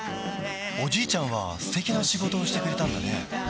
おじいちゃんは素敵な仕事をしてくれたんだね